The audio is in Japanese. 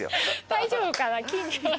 大丈夫かな金魚。